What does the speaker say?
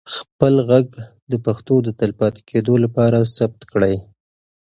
خپل ږغ د پښتو د تلپاتې کېدو لپاره ثبت کړئ.